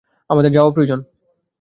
আমাদের যাওয়া প্রয়োজন!